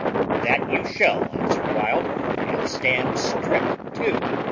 "That you shall," answered Wild, "and stand strip too."